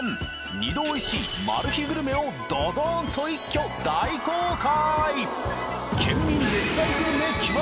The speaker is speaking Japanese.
二度おいしいグルメをドドーンと一挙大公開！